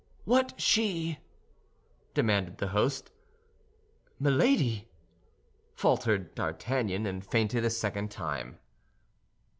"What she?" demanded the host. "Milady," faltered D'Artagnan, and fainted a second time.